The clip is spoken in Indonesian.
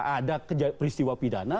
ada peristiwa pidana